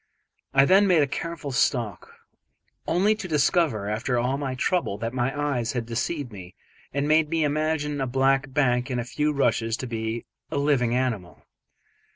I then made a careful stalk, only to discover, after all my trouble, that my eyes had deceived me and made me imagine a black bank and a few rushes to be a living animal.